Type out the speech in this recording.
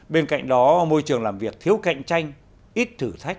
bên cạnh đó môi trường làm việc thiếu cạnh tranh ít thử thách